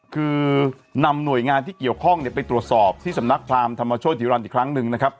คือนำหน่วยงานที่เกี่ยวข้องไปตรวจสอบที่สำนักทราบธรรมชนธิวรรณอีกครั้งหนึ่ง